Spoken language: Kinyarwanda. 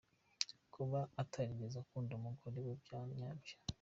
Kuba atarigeze akunda umugore we bya nyabyo.